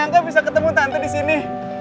kamu tante di sini